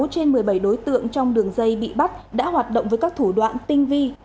một mươi trên một mươi bảy đối tượng trong đường dây bị bắt đã hoạt động với các thủ đoạn tinh vi